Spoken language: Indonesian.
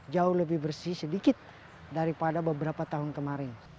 jauh lebih bersih sedikit daripada beberapa tahun kemarin